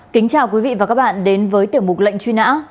kính chào quý vị và các bạn đến với tiểu mục lệnh truy nã